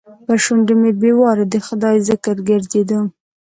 پر شونډو مې بې واره د خدای ذکر ګرځېده.